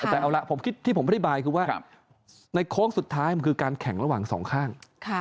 แต่เอาล่ะผมคิดที่ผมอธิบายคือว่าในโค้งสุดท้ายมันคือการแข่งระหว่างสองข้าง